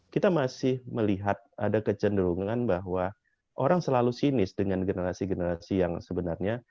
kita masih melihat ada kecenderungan bahwa orang selalu sinis dengan generasi generasi yang sebenarnya